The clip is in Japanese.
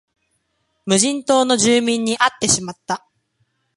無人島の住民に会ってしまった